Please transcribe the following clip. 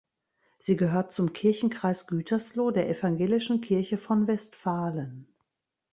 Sie gehört zum Kirchenkreis Gütersloh der Evangelischen Kirche von Westfalen.